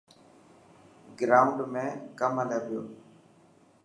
گرائونڊ ۾ ڪم هلي پيو.